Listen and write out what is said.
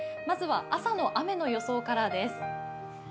まずは朝の雨の予想からです。